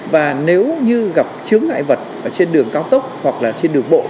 và nếu như gặp chứa ngại vật trên đường cao tốc hoặc là trên đường bộ